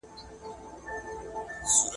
خړي څانګي تور زاغان وای !.